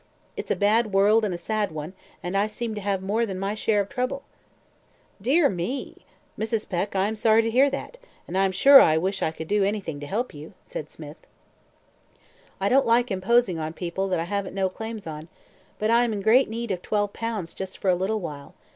It's a bad world and a sad one, and I seem to have more than my share of trouble." "Dear me! Mrs. Peck, I am sorry to hear that; and I am sure I wish I could do anything to help you," said Smith. "I don't like imposing on people that I haven't no claims on, but I am in great need of twelve pounds just for a little while.